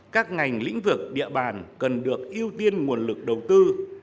các ngành lĩnh vực địa bàn cần được ưu tiên nguồn lực đầu tư